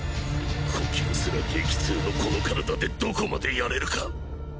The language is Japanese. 呼吸すら激痛のこの体でどこまでやれるか